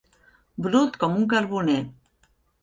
Brut com un carboner.